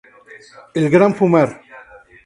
El Gran Fumar.